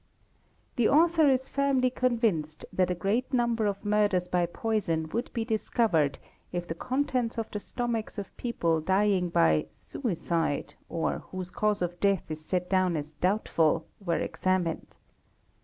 i The author is firmly convinced that a great number of murders by | poison would be discovered if the contents of the stomachs of people dying by "suicide"? or whose cause of death is set down as doubtful "were examined.